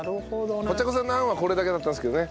ポチャッコさんの案はこれだけだったんですけどね